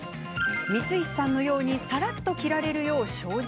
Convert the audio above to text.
光石さんのようにサラッと着られるよう精進